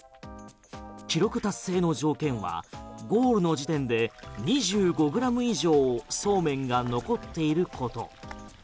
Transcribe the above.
記録達成の条件はゴールの時点で２５ｇ以上そうめんが残っていること。